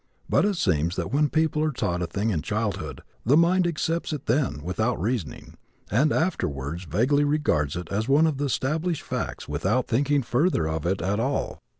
But it seems that when people are taught a thing in childhood the mind accepts it then without reasoning and afterwards vaguely regards it as one of the established facts without thinking further of it at all.